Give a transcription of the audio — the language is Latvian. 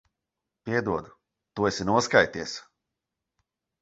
Piedod. Tu esi noskaities.